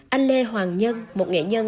anh lê hoàng nhân một nghệ nhân tây ngang